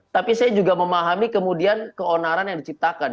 tapi saya juga memahami kemudian keonaran yang diciptakan